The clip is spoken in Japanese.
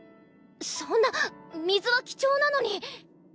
そんな水は貴重なのに！